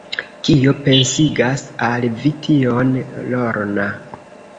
Kio pensigas al vi tion, Lorna?